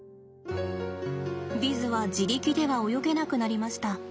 ヴィズは自力では泳げなくなりました。